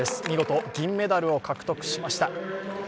見事、銀メダルを獲得しました。